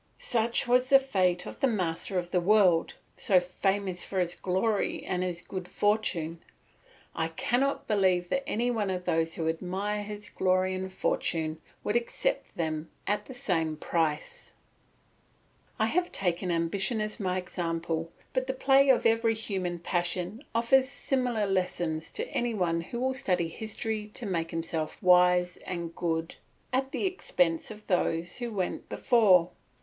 Such was the fate of the master of the world, so famous for his glory and his good fortune. I cannot believe that any one of those who admire his glory and fortune would accept them at the same price. I have taken ambition as my example, but the play of every human passion offers similar lessons to any one who will study history to make himself wise and good at the expense of those who went before.